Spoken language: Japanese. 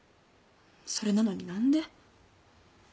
それなのに何で。